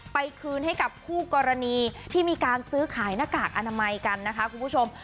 คืนให้กับคู่กรณีที่มีการซื้อขายหน้ากากอนามัยกันนะคะคุณผู้ชม